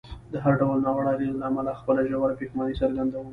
د هر ډول ناوړه اغېز له امله خپله ژوره پښیماني څرګندوم.